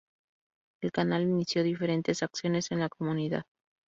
El canal inició diferentes acciones en la comunidad.